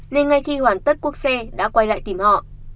nên ngay khi hoàn tất cuốc xe đã quay lại tìm họ